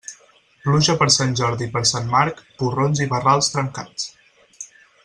Pluja per Sant Jordi i per Sant Marc, porrons i barrals trencats.